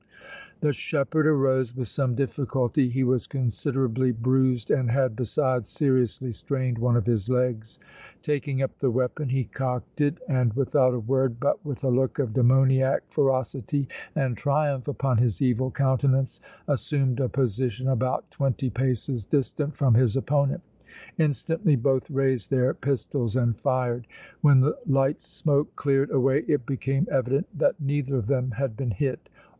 The shepherd arose with some difficulty; he was considerably bruised and had, besides, seriously strained one of his legs. Taking up the weapon, he cocked it and without a word, but with a look of demoniac ferocity and triumph upon his evil countenance, assumed a position about twenty paces distant from his opponent. Instantly both raised their pistols and fired. When the light smoke cleared away it became evident that neither of them had been hit.